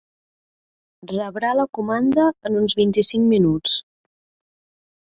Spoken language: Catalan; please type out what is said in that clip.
Rebrà la comanda en uns vint-i-cinc minuts.